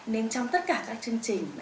nên trong tất cả các chương trình